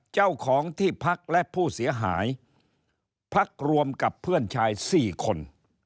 เจ้าของที่พักและผู้เสียหายพักรวมกับเพื่อนชาย๔คน